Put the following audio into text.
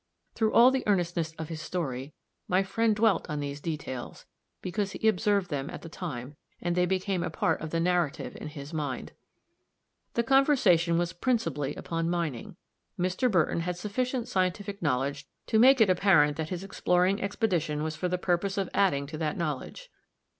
(Through all the earnestness of his story, my friend dwelt on these details, because he observed them at the time, and they became a part of the narrative in his mind.) The conversation was principally upon mining. Mr. Burton had sufficient scientific knowledge to make it apparent that his exploring expedition was for the purpose of adding to that knowledge.